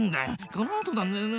このあとなんだよな。